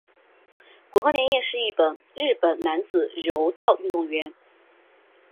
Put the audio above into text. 古贺稔彦是一名日本男子柔道运动员。